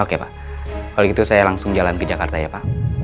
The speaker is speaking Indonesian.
oke pak kalau gitu saya langsung jalan ke jakarta ya pak